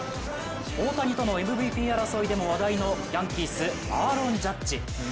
大谷とのＭＶＰ争いでも話題のヤンキース、アーロン・ジャッジ。